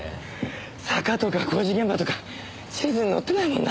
坂とか工事現場とか地図に載ってないもんな。